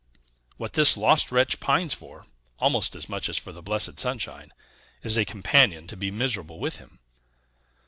What this lost wretch pines for, almost as much as for the blessed sunshine, is a companion to be miserable with him."